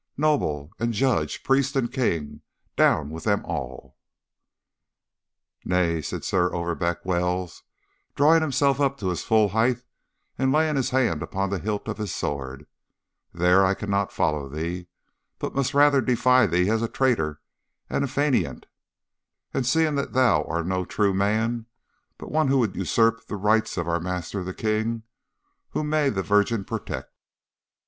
Noble and judge, priest and king, down with them all!' "'Nay,' said Sir Overbeck Wells, drawing himself up to his full height, and laying his hand upon the hilt of his sword, 'there I cannot follow thee, but must rather defy thee as traitor and faineant, seeing that thou art no true man, but one who would usurp the rights of our master the king, whom may the Virgin protect!